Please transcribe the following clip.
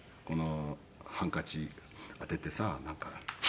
ハンカチ当ててさなんか。